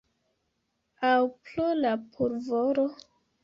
Aŭ pro la pulvoro?